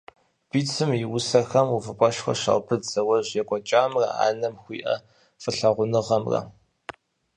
Бицум и усэхэм увыпӀэшхуэ щаубыд зауэжь екӀуэкӀамрэ анэм хуиӀэ фӀылъагъуныгъэмрэ.